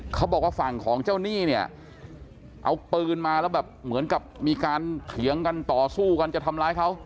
เขาบอกว่าฝั่งของเจ้าหนี้เนี่ยเอาปืนมาแล้วแบบเหมือนกับมีการเถียงกันต่อสู้กันจะทำร้ายเขา